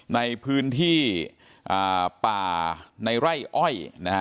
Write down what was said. ในพื้นที่ป่าในไร่อ้อยนะฮะ